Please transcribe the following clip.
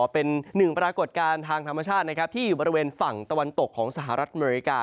เป็นหนึ่งปรากฏการณ์ทางธรรมชาติที่อยู่บริเวณฝั่งตะวันตกของสหรัฐอเมริกา